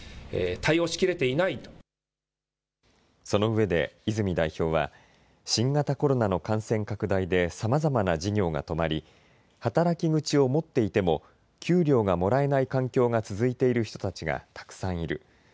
そのうえで泉代表は新型コロナの感染拡大でさまざまな事業が止まり働き口を持っていても給料がもらえない環境が続いている人たちがたくさんいる。